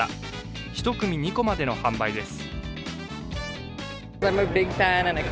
１組２個までの販売です。